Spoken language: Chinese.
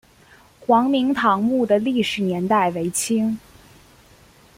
黄明堂墓的历史年代为清。